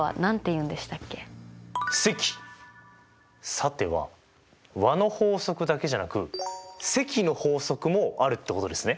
さては和の法則だけじゃなく積の法則もあるってことですね？